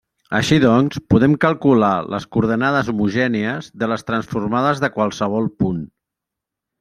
Així doncs, podem calcular les coordenades homogènies de les transformades de qualsevol punt.